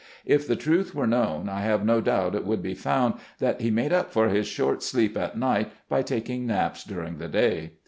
"If the truth were known, I have no doubt it would be found that he made up for his short sleep at night by taking naps during the day."